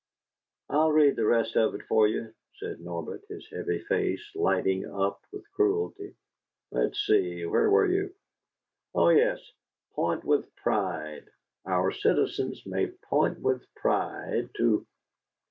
"I'll read the rest of it for you," said Norbert, his heavy face lighting up with cruelty. "Let's see where were you? Oh yes 'point with pride'? 'Our citizens may point with pride to ...'"